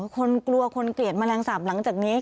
คนกลัวคนเกลียดแมลงสาปหลังจากนี้